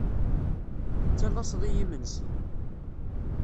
Tettalaseḍ-iyi imensi.